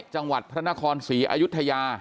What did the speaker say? จังหวัดพระนครศรีอายุทยา